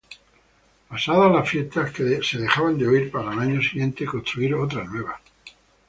Pasadas las fiestas se dejaban de oír, para el año siguiente construir otra nueva.